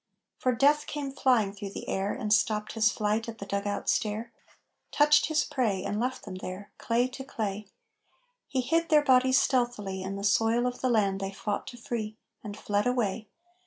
For Death came flying through the air And stopped his flight at the dugout stair. Touched his prey and left them there, Clay to clay. He hid their bodies stealthily In the soil of the land they fought to free And fled away.